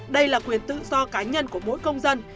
đây là quyền tự do cá nhân của mỗi công dân